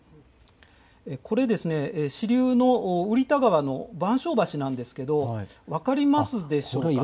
これですね、支流の瓜田川の番所橋なんですけれども、分かりますでしょうか。